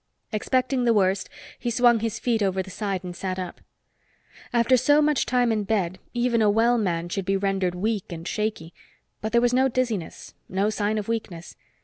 Expecting the worst, he swung his feet over the side and sat up. After so much time in bed, even a well man should be rendered weak and shaky. But there was no dizziness, no sign of weakness.